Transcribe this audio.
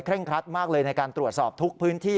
ครัดมากเลยในการตรวจสอบทุกพื้นที่